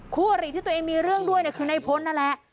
คู่อริที่ตัวเองมีเรื่องด้วยคือในพลนั่นแหละ